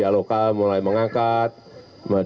saya akan mengatakan